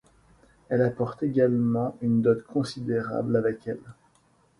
Elle apporte également une dot considérable avec elle.